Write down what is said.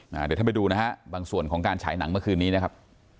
เดี๋ยวท่านไปดูนะฮะบางส่วนของการฉายหนังเมื่อคืนนี้นะครับ